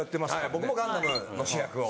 僕も『ガンダム』の主役を。